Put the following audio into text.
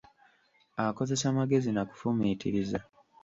Akozesa magezi na kufumiitiriza.